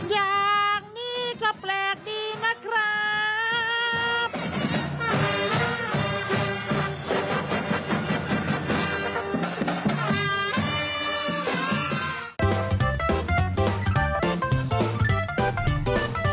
อย่างนี้ก็แปลกดีนะครับ